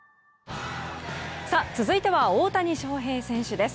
続いて大谷翔平選手です。